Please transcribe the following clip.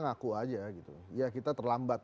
mengaku saja ya kita terlambat